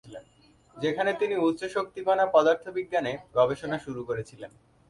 সেখানে তিনি উচ্চ-শক্তি কণা পদার্থবিজ্ঞানে গবেষণা শুরু করেছিলেন।